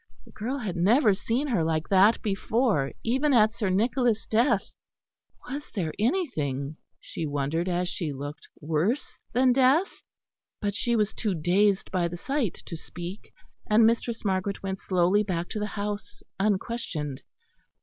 The girl had never seen her like that before, even at Sir Nicholas' death. Was there anything, she wondered as she looked, worse than death? But she was too dazed by the sight to speak, and Mistress Margaret went slowly back to the house unquestioned.